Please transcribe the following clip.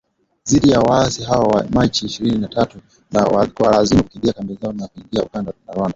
dhidi ya waasi hao wa Machi ishirini na tatu na kuwalazimu kukimbia kambi zao na kuingia Uganda na Rwanda